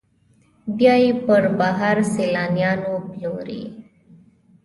بیا یې پر بهر سیلانیانو پلوري.